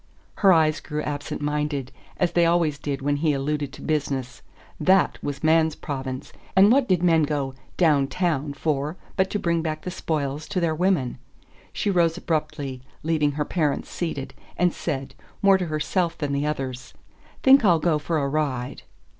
Her eyes grew absent minded, as they always did when he alluded to business. THAT was man's province; and what did men go "down town" for but to bring back the spoils to their women? She rose abruptly, leaving her parents seated, and said, more to herself than the others: "Think I'll go for a ride."